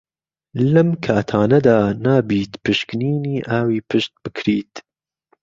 لەم کاتانەدا نابیت پشکنینی ئاوی پشت بکریت